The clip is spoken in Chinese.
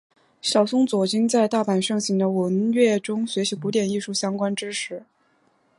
小松左京也在大阪盛行的文乐中学习古典艺术相关知识。